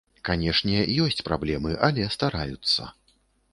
Канешне, ёсць праблемы, але стараюцца.